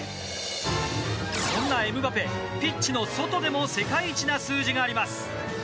そんなエムバペ、ピッチの外でも世界一な数字があります。